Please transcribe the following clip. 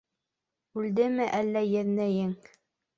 Үлдеме әллә еҙнәйең?